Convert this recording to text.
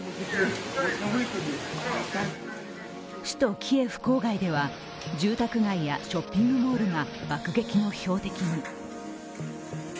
首都キエフ郊外では住宅街やショッピングモールが爆撃の標的に。